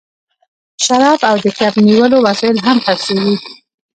شراب او د کب نیولو وسایل هم خرڅیږي